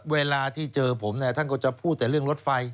เวลาที่เจอผมเนี่ยท่านก็จะพูดแต่เรื่องรถไฟ